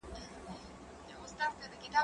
زه کولای سم سندري واورم؟!